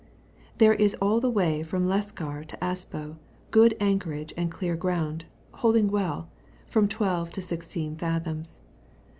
There is all the way from Leskar to Aspo good anchorage and dear ground, holding well, with from 12 to 16 fathoms.